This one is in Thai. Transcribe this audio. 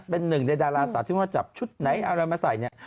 เป็นหนึ่งในดาราศาสตร์ที่เราจับชุดไหนเอามาใส่เนี่ย